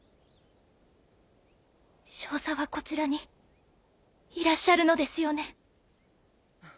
少佐はこちらにいらっしゃるのですよね？